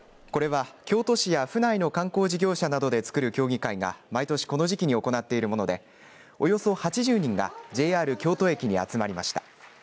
これは京都市や府内の観光事業者などで作る協議会が毎年この時期に行っているものでおよそ８０人がＪＲ京都駅に集まりました。